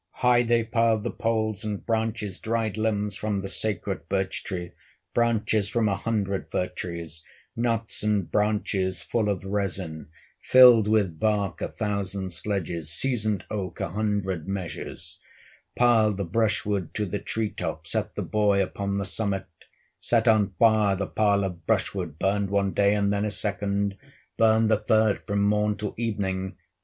High they piled the arid branches, Dried limbs from the sacred birch tree, Branches from a hundred fir trees, Knots and branches full of resign; Filled with bark a thousand sledges, Seasoned oak, a hundred measures; Piled the brushwood to the tree tops, Set the boy upon the summit, Set on fire the pile of brushwood, Burned one day, and then a second, Burned the third from morn till evening.